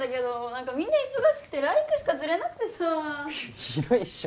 何かみんな忙しくて来玖しか釣れなくてさひどいっしょ